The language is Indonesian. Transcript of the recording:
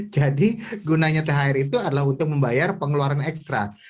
jadi gunanya thr itu adalah untuk membayar pengeluaran ekstra